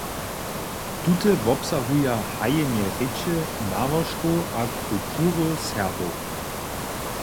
Tute wobsahuja hajenje rěče, nałožkow a kultury Serbow.